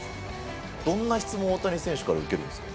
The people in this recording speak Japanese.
どんな質問を大谷選手から受けるんですか。